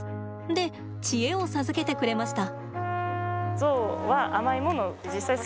で、知恵を授けてくれました。